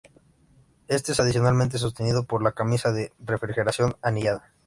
Este es adicionalmente sostenido por la camisa de refrigeración anillada.